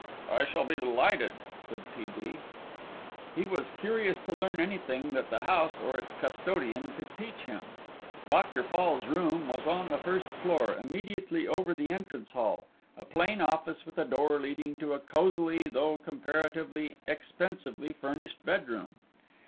"I shall be delighted," said T. B. He was curious to learn anything that the house or its custodian could teach him. Dr. Fall's room was on the first floor, immediately over the entrance hall, a plain office with a door leading to a cosily, though comparatively expensively furnished bedroom.